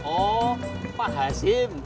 oh pak hashim